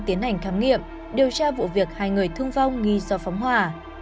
tiến hành khám nghiệm điều tra vụ việc hai người thương vong nghi do phóng hỏa